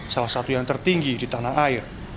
salah satu yang tertinggi di tanah air